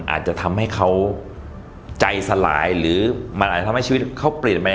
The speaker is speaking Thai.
อาจจะทำให้เขาใจสลายหรือมันอาจจะทำให้ชีวิตเขาเปลี่ยนไป